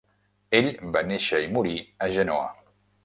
Ell va néixer i morir a Genoa.